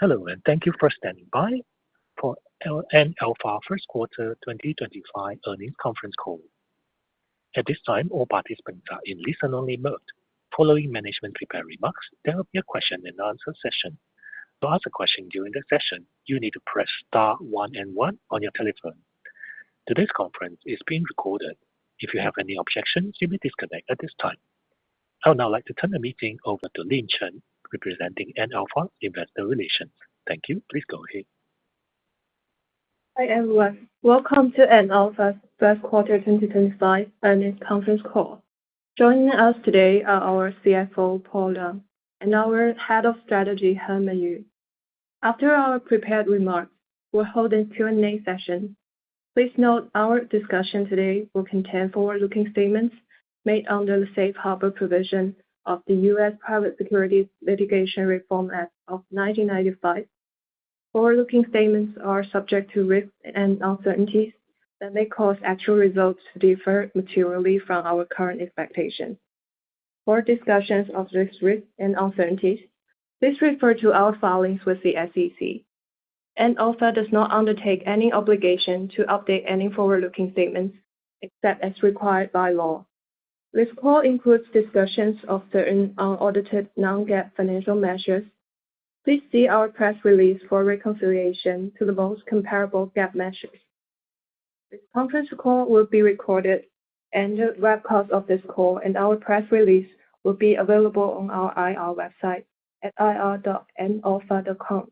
Hello and thank you for standing by for Antalpha First Quarter 2025 earnings conference call. At this time, all participants are in listen-only mode. Following management's prepared remarks, there will be a question-and-answer session. To ask a question during the session, you need to press star one and one on your telephone. Today's conference is being recorded. If you have any objections, you may disconnect at this time. I would now like to turn the meeting over to Lin Chen, representing Antalpha Investor Relations. Thank you. Please go ahead. Hi everyone. Welcome to Antalpha's First Quarter 2025 earnings conference call. Joining us today are our CFO, Paul Liang, and our Head of Strategy, Herman Yu. After our prepared remarks, we're holding a Q&A session. Please note our discussion today will contain forward-looking statements made under the safe harbor provision of the U.S. Private Securities Litigation Reform Act of 1995. Forward-looking statements are subject to risks and uncertainties that may cause actual results to differ materially from our current expectations. For discussions of these risks and uncertainties, please refer to our filings with the SEC. Antalpha does not undertake any obligation to update any forward-looking statements except as required by law. This call includes discussions of certain unaudited non-GAAP financial measures. Please see our press release for reconciliation to the most comparable GAAP measures. This conference call will be recorded, and the webcast of this call and our press release will be available on our IR website at ir.antalpha.com.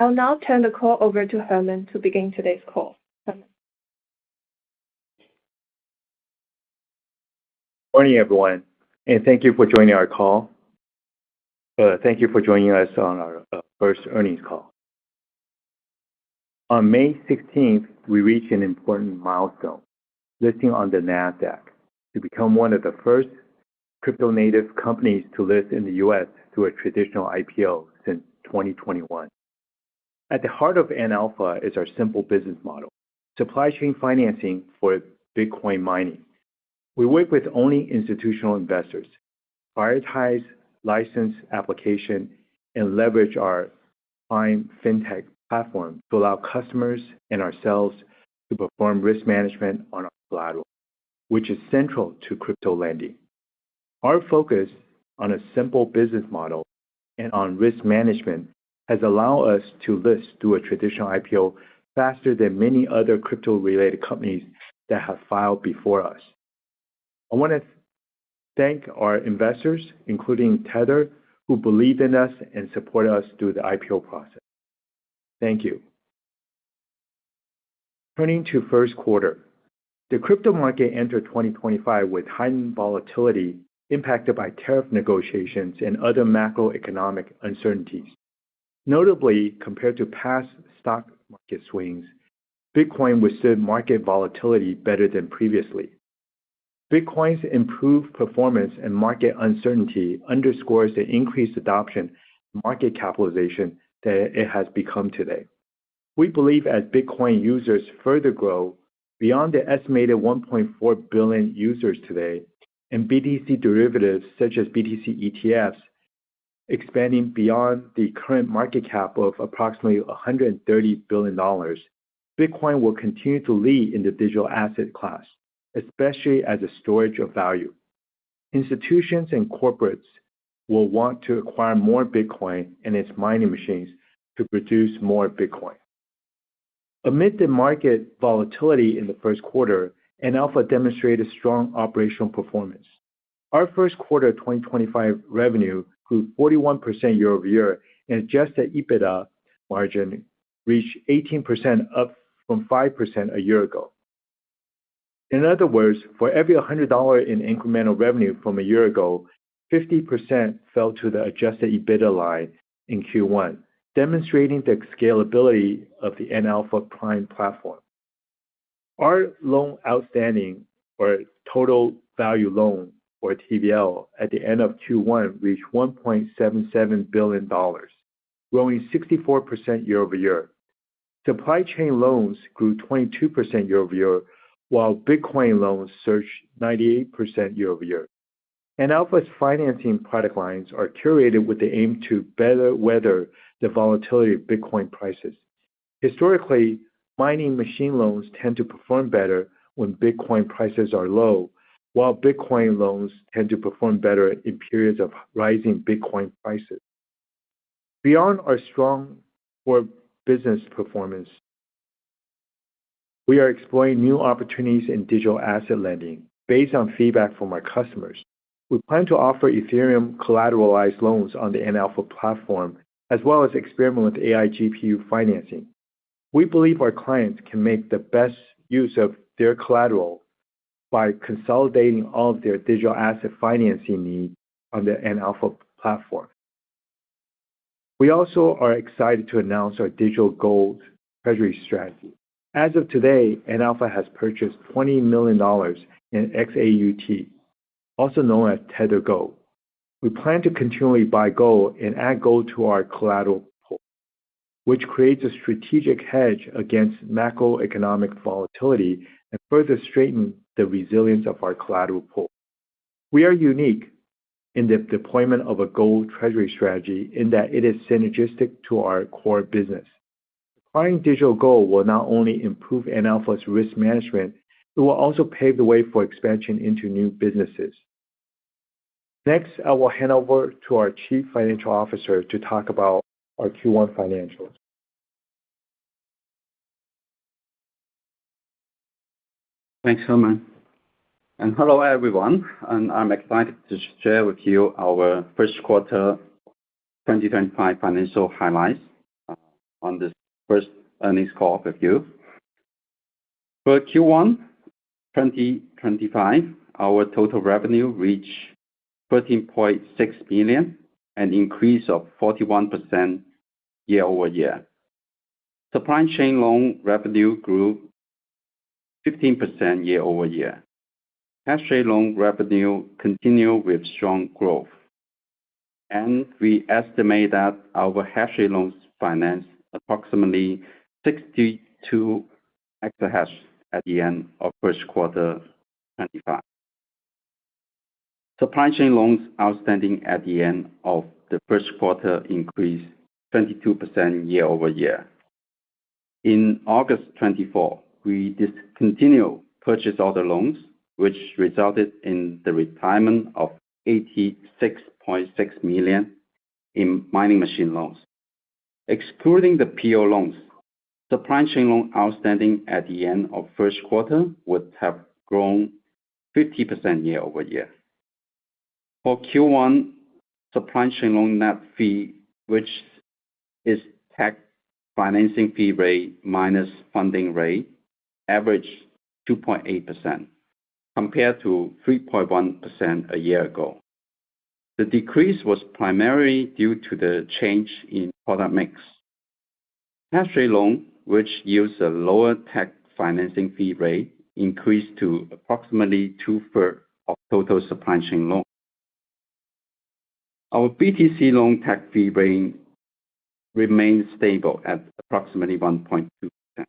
I'll now turn the call over to Herman to begin today's call. Herman. Good morning, everyone, and thank you for joining our call. Thank you for joining us on our first earnings call. On May 16th, we reached an important milestone: listing on the NASDAQ to become one of the first crypto-native companies to list in the U.S. through a traditional IPO since 2021. At the heart of Antalpha is our simple business model: supply chain financing for Bitcoin mining. We work with only institutional investors, prioritize license application, and leverage our Antalpha Prime technology platform to allow customers and ourselves to perform risk management on our collateral, which is central to crypto lending. Our focus on a simple business model and on risk management has allowed us to list through a traditional IPO faster than many other crypto-related companies that have filed before us. I want to thank our investors, including Tether, who believed in us and supported us through the IPO process. Thank you. Turning to first quarter, the crypto market entered 2025 with heightened volatility impacted by tariff negotiations and other macroeconomic uncertainties. Notably, compared to past stock market swings, Bitcoin withstood market volatility better than previously. Bitcoin's improved performance and market uncertainty underscore the increased adoption and market capitalization that it has become today. We believe as Bitcoin users further grow beyond the estimated 1.4 billion users today and BTC derivatives such as BTC ETFs expanding beyond the current market cap of approximately $130 billion, Bitcoin will continue to lead in the digital asset class, especially as a storage of value. Institutions and corporates will want to acquire more Bitcoin and its mining machines to produce more Bitcoin. Amid the market volatility in the first quarter, Antalpha demonstrated strong operational performance. Our first quarter 2025 revenue grew 41% year over year and Adjusted EBITDA margin reached 18%, up from 5% a year ago. In other words, for every $100 in incremental revenue from a year ago, 50% fell to the Adjusted EBITDA line in Q1, demonstrating the scalability of the Antalpha Prime platform. Our loan outstanding, or total value loan, or TVL, at the end of Q1 reached $1.77 billion, growing 64% year over year. Supply chain loans grew 22% year over year, while Bitcoin loans surged 98% year over year. Antalpha's financing product lines are curated with the aim to better weather the volatility of Bitcoin prices. Historically, mining machine loans tend to perform better when Bitcoin prices are low, while Bitcoin loans tend to perform better in periods of rising Bitcoin prices. Beyond our strong core business performance, we are exploring new opportunities in digital asset lending based on feedback from our customers. We plan to offer Ethereum collateralized loans on the Antalpha platform, as well as experiment with AI GPU financing. We believe our clients can make the best use of their collateral by consolidating all of their digital asset financing needs on the Antalpha platform. We also are excited to announce our digital gold treasury strategy. As of today, Antalpha has purchased $20 million in XAUT, also known as Tether Gold. We plan to continually buy gold and add gold to our collateral pool, which creates a strategic hedge against macroeconomic volatility and further strengthens the resilience of our collateral pool. We are unique in the deployment of a gold treasury strategy in that it is synergistic to our core business. Acquiring digital gold will not only improve Antalpha's risk management. It will also pave the way for expansion into new businesses. Next, I will hand over to our Chief Financial Officer to talk about our Q1 financials. Thanks, Herman. And hello, everyone. I'm excited to share with you our first quarter 2025 financial highlights on this first earnings call with you. For Q1 2025, our total revenue reached $13.6 billion, an increase of 41% year over year. Supply chain loan revenue grew 15% year over year. Hashrate loan revenue continued with strong growth, and we estimate that our hashrate loans financed approximately 62 exahash at the end of first quarter 2025. Supply chain loans outstanding at the end of the first quarter increased 22% year over year. In August 2024, we discontinued purchase order loans, which resulted in the retirement of $86.6 million in mining machine loans. Excluding the PO loans, supply chain loan outstanding at the end of first quarter would have grown 50% year over year. For Q1, supply chain loan net fee, which is tech financing fee rate minus funding rate, averaged 2.8%, compared to 3.1% a year ago. The decrease was primarily due to the change in product mix. Hashrate loan, which yields a lower tech financing fee rate, increased to approximately two-thirds of total supply chain loan. Our BTC loan tech fee rate remained stable at approximately 1.2%.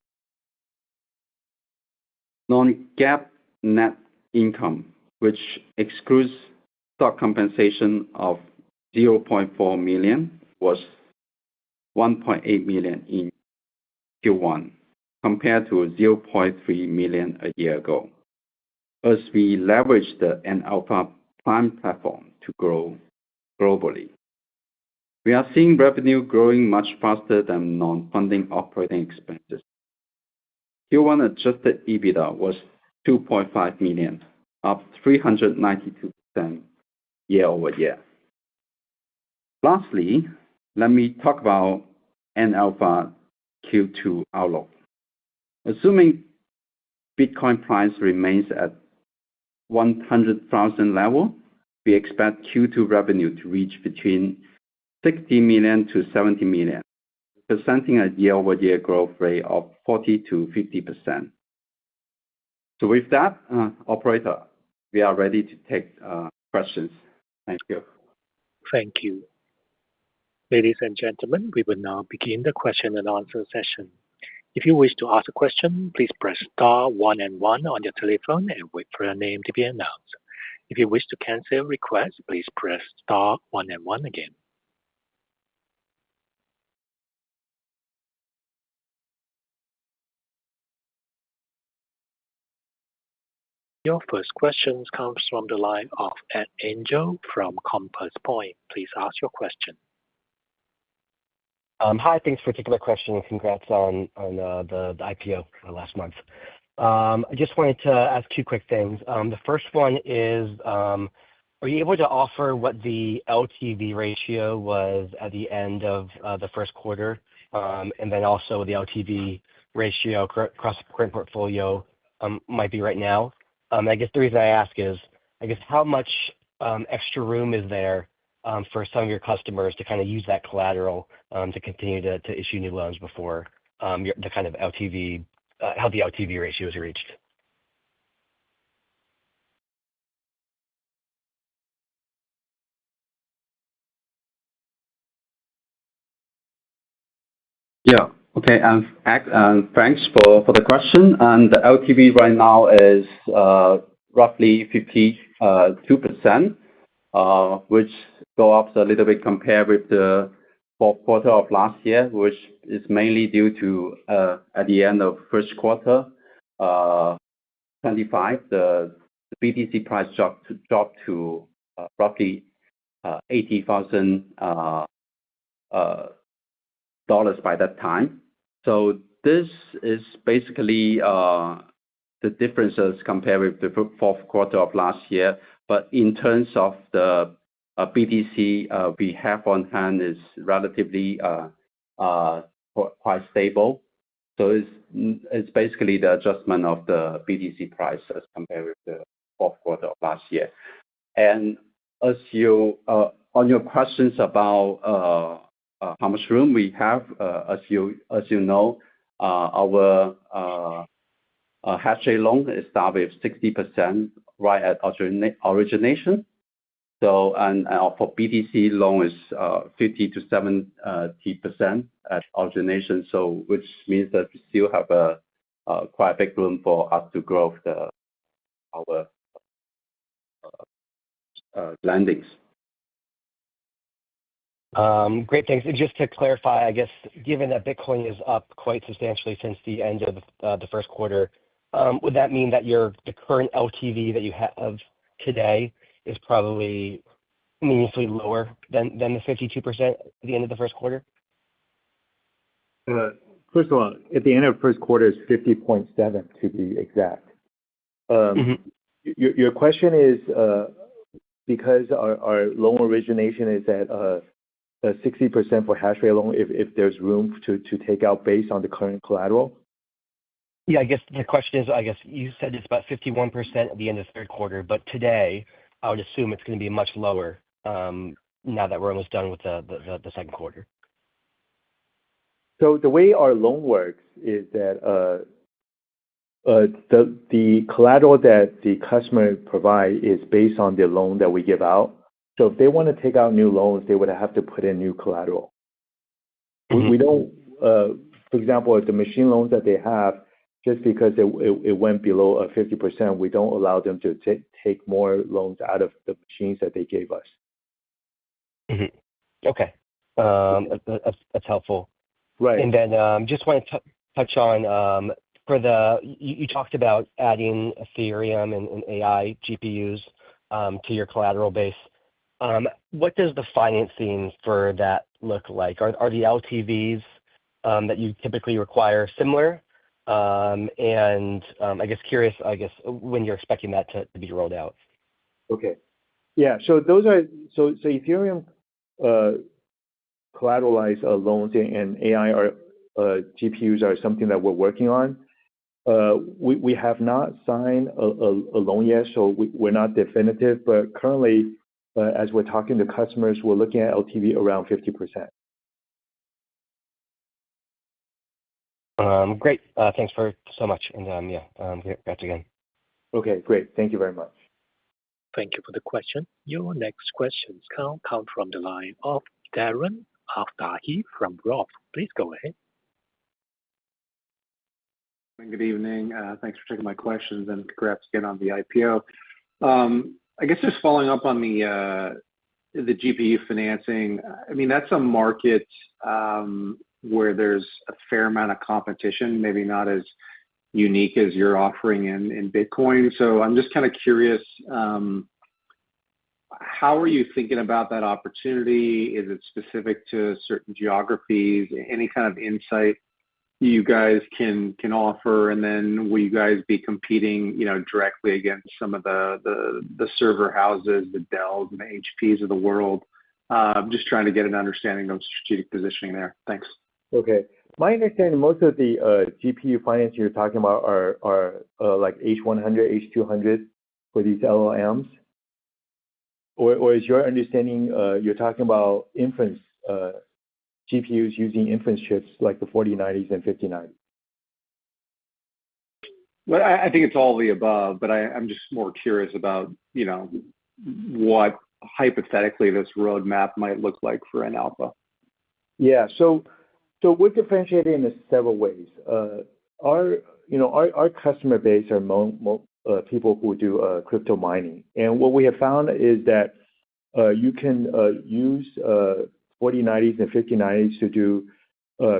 Non-GAAP net income, which excludes stock compensation of $0.4 million, was $1.8 million in Q1, compared to $0.3 million a year ago, as we leveraged the Antalpha Prime platform to grow globally. We are seeing revenue growing much faster than non-funding operating expenses. Q1 Adjusted EBITDA was $2.5 million, up 392% year over year. Lastly, let me talk about Antalpha Q2 outlook. Assuming Bitcoin price remains at $100,000 level, we expect Q2 revenue to reach between $60 million-$70 million, presenting a year-over-year growth rate of 40%-50%. So with that, Operator, we are ready to take questions. Thank you. Thank you. Ladies and gentlemen, we will now begin the question and answer session. If you wish to ask a question, please press star one and one on your telephone and wait for your name to be announced. If you wish to cancel requests, please press star one and one again. Your first question comes from the line of Engel from Compass Point. Please ask your question. Hi. Thanks for taking my question. Congrats on the IPO last month. I just wanted to ask two quick things. The first one is, are you able to offer what the LTV ratio was at the end of the first quarter? And then also, what the LTV ratio across the current portfolio might be right now? I guess the reason I ask is, I guess how much extra room is there for some of your customers to kind of use that collateral to continue to issue new loans before the kind of LTV, how the LTV ratio is reached? Yeah. Okay. Thanks for the question. The LTV right now is roughly 52%, which goes up a little bit compared with the fourth quarter of last year, which is mainly due to at the end of first quarter 2025, the BTC price dropped to roughly $80,000 by that time. So this is basically the differences compared with the fourth quarter of last year. But in terms of the BTC we have on hand is relatively quite stable. So it's basically the adjustment of the BTC price as compared with the fourth quarter of last year. And on your questions about how much room we have, as you know, our hashrate loan is down to 60% right at origination. And our BTC loan is 50%-70% at origination, which means that we still have quite a big room for us to grow our lendings. Great. Thanks. And just to clarify, I guess given that Bitcoin is up quite substantially since the end of the first quarter, would that mean that your current LTV that you have today is probably meaningfully lower than the 52% at the end of the first quarter? First of all, at the end of first quarter is 50.7%, to be exact. Your question is because our loan origination is at 60% for hashrate loan, if there's room to take out based on the current collateral? Yeah. I guess the question is, I guess you said it's about 51% at the end of third quarter, but today, I would assume it's going to be much lower now that we're almost done with the second quarter. So the way our loan works is that the collateral that the customer provides is based on the loan that we give out. So if they want to take out new loans, they would have to put in new collateral. For example, the machine loans that they have, just because it went below 50%, we don't allow them to take more loans out of the machines that they gave us. Okay. That's helpful, and then I just want to touch on the fact that you talked about adding Ethereum and AI GPUs to your collateral base. What does the financing for that look like? Are the LTVs that you typically require similar? I'm curious, I guess, when you're expecting that to be rolled out? Okay. Yeah. So Ethereum collateralized loans and AI GPUs are something that we're working on. We have not signed a loan yet, so we're not definitive. But currently, as we're talking to customers, we're looking at LTV around 50%. Great. Thanks so much. And yeah, thanks again. Okay. Great. Thank you very much. Thank you for the question. Your next questions can come from the line of Darren Aftahi from Roth MKM. Please go ahead. Good evening. Thanks for taking my questions and congrats again on the IPO. I guess just following up on the GPU financing, I mean, that's a market where there's a fair amount of competition, maybe not as unique as your offering in Bitcoin. So I'm just kind of curious, how are you thinking about that opportunity? Is it specific to certain geographies? Any kind of insight you guys can offer? And then will you guys be competing directly against some of the server houses, the Dells, and the HPs of the world? Just trying to get an understanding of strategic positioning there. Thanks. Okay. My understanding, most of the GPU financing you're talking about are like H100, H200 for these LLMs. Or is your understanding you're talking about inference GPUs using inference chips like the 4090s and 5090s? I think it's all the above, but I'm just more curious about what hypothetically this roadmap might look like for Antalpha. Yeah. So we're differentiating in several ways. Our customer base are people who do crypto mining. And what we have found is that you can use 4090s and 5090s to do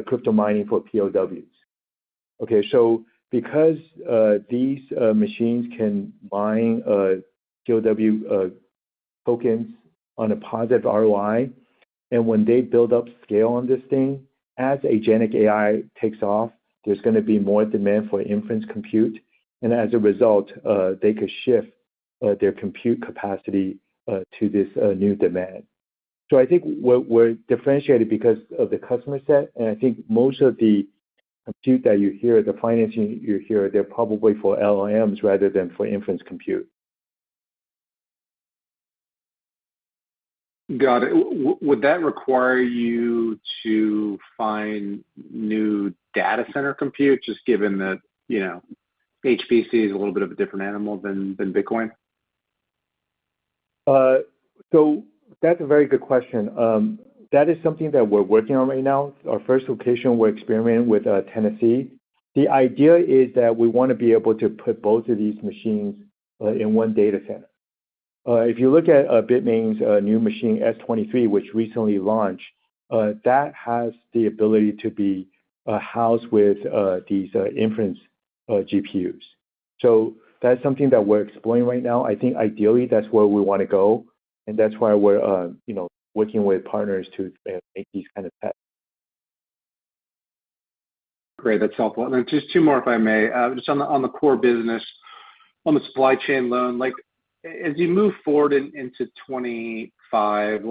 crypto mining for POWs. Okay. So because these machines can mine POW tokens on a positive ROI, and when they build up scale on this thing, as agentic AI takes off, there's going to be more demand for inference compute. And as a result, they could shift their compute capacity to this new demand. So I think we're differentiated because of the customer set. And I think most of the compute that you hear, the financing you hear, they're probably for LLMs rather than for inference compute. Got it. Would that require you to find new data center compute, just given that HPC is a little bit of a different animal than Bitcoin? So that's a very good question. That is something that we're working on right now. Our first location, we're experimenting with Tennessee. The idea is that we want to be able to put both of these machines in one data center. If you look at Bitmain's new machine, S23, which recently launched, that has the ability to be housed with these inference GPUs, so that's something that we're exploring right now. I think ideally, that's where we want to go, and that's why we're working with partners to make these kind of tests. Great. That's helpful. And then just two more, if I may. Just on the core business, on the supply chain loan, as you move forward into 2025,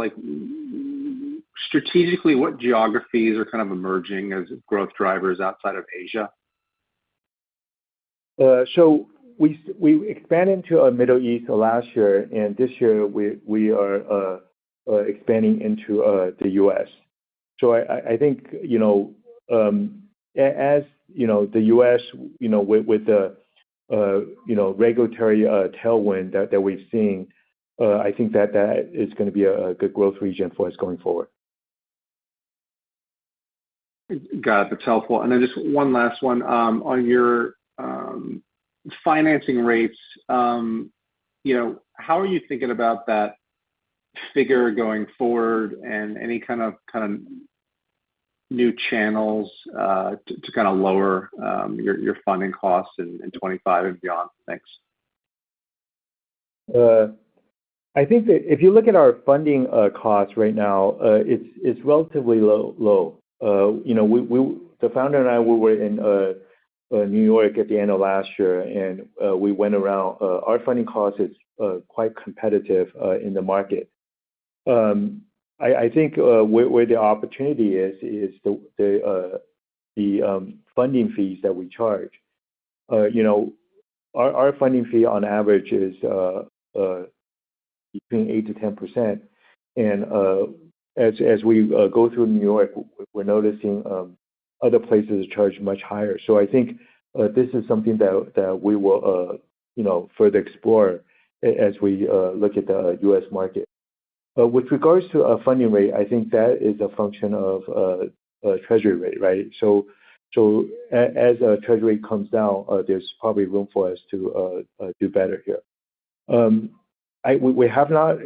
strategically, what geographies are kind of emerging as growth drivers outside of Asia? So we expanded into the Middle East last year, and this year, we are expanding into the U.S. So I think as the U.S., with the regulatory tailwind that we've seen, I think that that is going to be a good growth region for us going forward. Got it. That's helpful. And then just one last one. On your financing rates, how are you thinking about that figure going forward and any kind of new channels to kind of lower your funding costs in 2025 and beyond? Thanks. I think that if you look at our funding costs right now, it's relatively low. The founder and I, we were in New York at the end of last year, and we went around. Our funding cost is quite competitive in the market. I think where the opportunity is, is the funding fees that we charge. Our funding fee, on average, is between 8%-10%. And as we go through New York, we're noticing other places are charged much higher. So I think this is something that we will further explore as we look at the U.S. market. With regards to our funding rate, I think that is a function of treasury rate, right? So as treasury rate comes down, there's probably room for us to do better here. We have not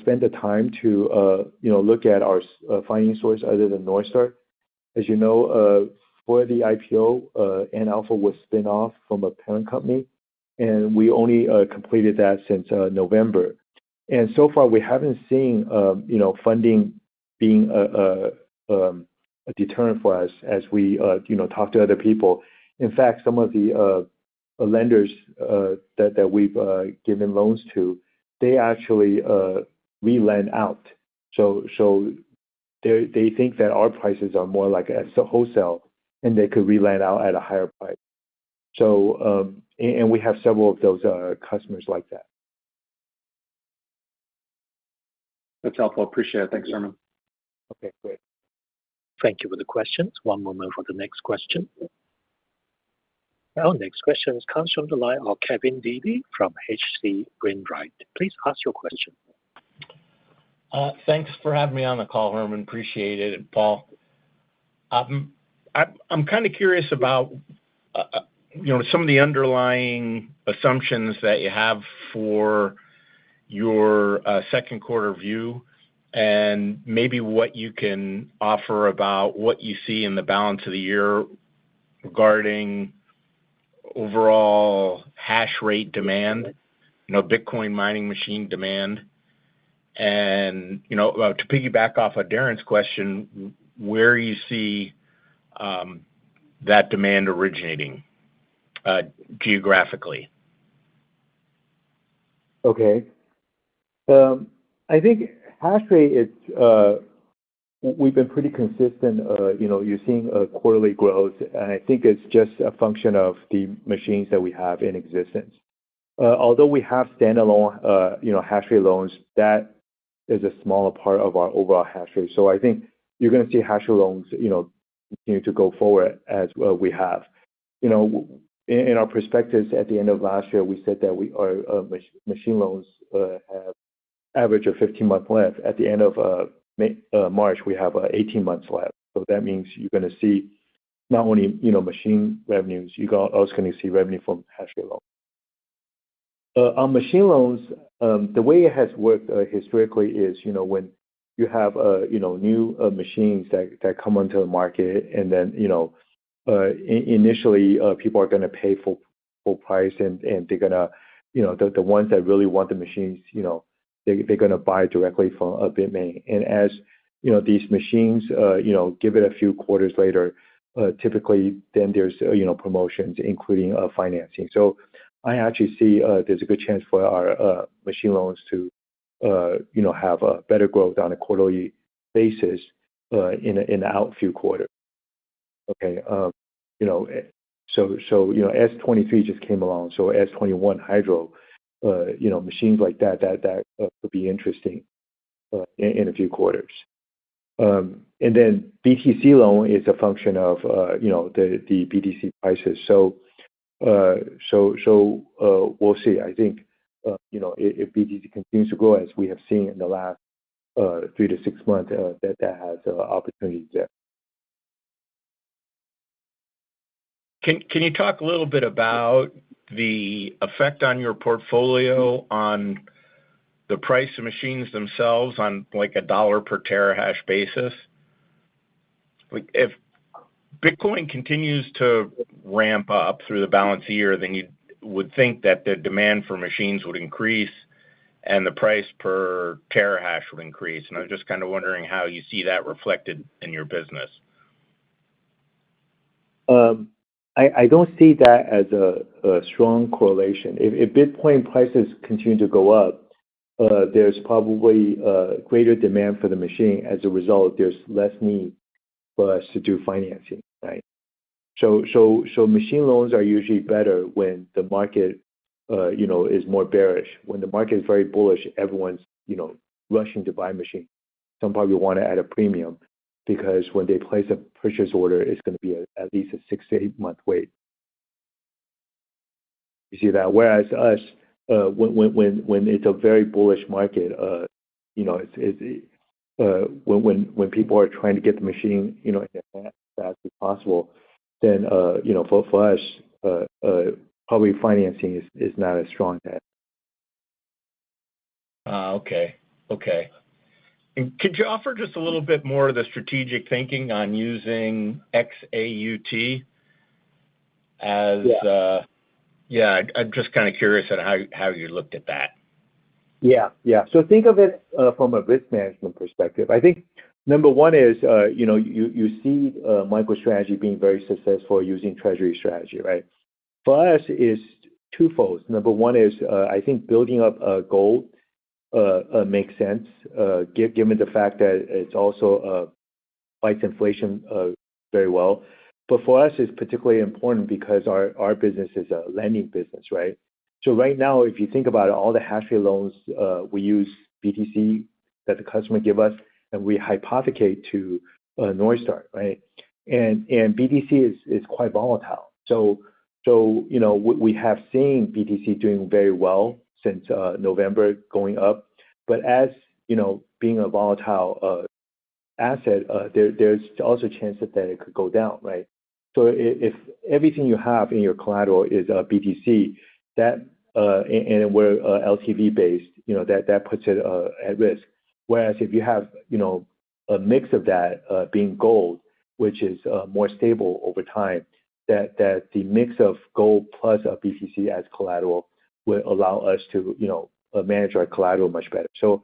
spent the time to look at our funding source other than Northstar. As you know, for the IPO, Antalpha was spin-off from a parent company, and we only completed that since November. So far, we haven't seen funding being a deterrent for us as we talk to other people. In fact, some of the lenders that we've given loans to, they actually rent out. So they think that our prices are more like a wholesale, and they could rent out at a higher price. We have several of those customers like that. That's helpful. Appreciate it. Thanks, Herman. Okay. Great. Thank you for the questions. One moment for the next question. Our next question comes from the line of Kevin Dede from H.C. Wainwright. Please ask your question. Thanks for having me on the call, Herman. Appreciate it, Paul. I'm kind of curious about some of the underlying assumptions that you have for your second quarter view and maybe what you can offer about what you see in the balance of the year regarding overall hashrate demand, Bitcoin mining machine demand. And to piggyback off of Darren's question, where you see that demand originating geographically? Okay. I think hashrate, we've been pretty consistent. You're seeing quarterly growth, and I think it's just a function of the machines that we have in existence. Although we have standalone hashrate loans, that is a smaller part of our overall hashrate, so I think you're going to see hashrate loans continue to go forward as we have. In our perspectives, at the end of last year, we said that machine loans have an average of 15 months left. At the end of March, we have 18 months left, so that means you're going to see not only machine revenues, you're also going to see revenue from hashrate loans. On machine loans, the way it has worked historically is when you have new machines that come onto the market, and then initially, people are going to pay full price, and they're going to the ones that really want the machines, they're going to buy directly from Bitmain. And as these machines give it a few quarters later, typically, then there's promotions, including financing. So I actually see there's a good chance for our machine loans to have better growth on a quarterly basis in the outlying quarter. Okay. So S23 just came along. So S21 Hydro, machines like that, that could be interesting in a few quarters. And then BTC loan is a function of the BTC prices. So we'll see. I think if BTC continues to grow, as we have seen in the last three to six months, that has opportunities there. Can you talk a little bit about the effect on your portfolio, on the price of machines themselves, on a $ per terahash basis? If Bitcoin continues to ramp up through the balance of the year, then you would think that the demand for machines would increase and the price per terahash would increase, and I'm just kind of wondering how you see that reflected in your business. I don't see that as a strong correlation. If Bitcoin prices continue to go up, there's probably greater demand for the machine. As a result, there's less need for us to do financing, right? So machine loans are usually better when the market is more bearish. When the market is very bullish, everyone's rushing to buy machines. Some probably want to add a premium because when they place a purchase order, it's going to be at least a six to eight-month wait. You see that? Whereas us, when it's a very bullish market, when people are trying to get the machine as fast as possible, then for us, probably financing is not as strong as that. Could you offer just a little bit more of the strategic thinking on using XAUT as? Yes. Yeah. I'm just kind of curious on how you looked at that. Yeah. Yeah. So think of it from a risk management perspective. I think number one is you see MicroStrategy being very successful using treasury strategy, right? For us, it's twofold. Number one is I think building up a gold makes sense, given the fact that it also fights inflation very well. But for us, it's particularly important because our business is a lending business, right? So right now, if you think about all the hashrate loans, we use BTC that the customer gives us, and we hypothecate to Northstar, right? And BTC is quite volatile. So we have seen BTC doing very well since November, going up. But as being a volatile asset, there's also a chance that it could go down, right? So if everything you have in your collateral is BTC and we're LTV-based, that puts it at risk. Whereas if you have a mix of that being gold, which is more stable over time, that the mix of gold plus BTC as collateral will allow us to manage our collateral much better. So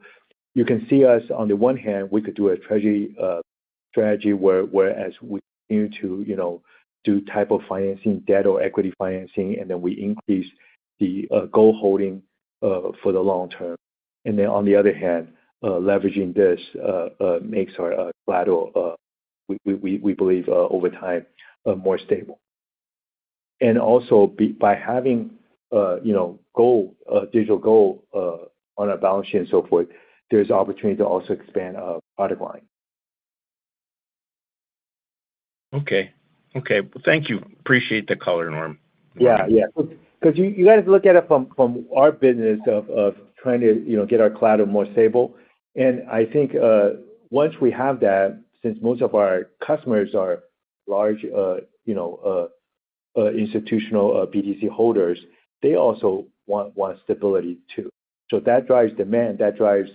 you can see us, on the one hand, we could do a treasury strategy whereas we continue to do type of financing, debt or equity financing, and then we increase the gold holding for the long term. And then on the other hand, leveraging this makes our collateral, we believe, over time more stable. And also by having digital gold on our balance sheet and so forth, there's opportunity to also expand our product line. Okay. Well, thank you. Appreciate the color, Herm. Yeah. Yeah. Because you guys look at it from our business of trying to get our collateral more stable. And I think once we have that, since most of our customers are large institutional BTC holders, they also want stability too. So that drives demand. That drives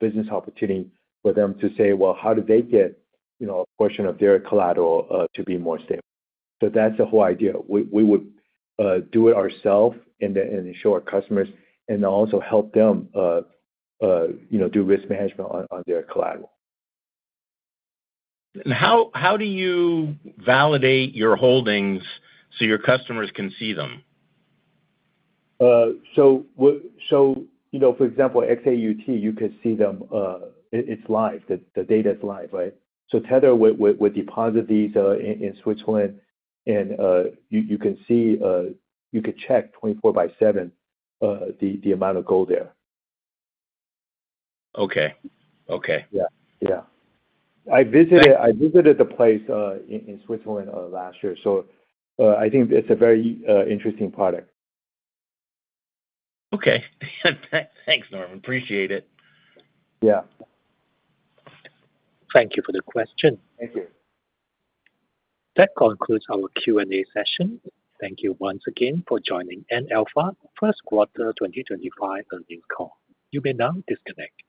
business opportunity for them to say, "Well, how do they get a portion of their collateral to be more stable?" So that's the whole idea. We would do it ourselves and show our customers and also help them do risk management on their collateral. How do you validate your holdings so your customers can see them? So for example, XAUT, you could see them. It's live. The data is live, right? So Tether would deposit these in Switzerland, and you can see you could check 24 by 7 the amount of gold there. Okay. Okay. Yeah. Yeah. I visited the place in Switzerland last year. So I think it's a very interesting product. Okay. Thanks, Herm. Appreciate it. Yeah. Thank you for the question. Thank you. That concludes our Q&A session. Thank you once again for joining Antalpha First Quarter 2025 earnings call. You may now disconnect.